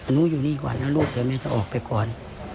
อยู่นี่ก่อนนะลูกเดี๋ยวแม่จะออกไปก่อน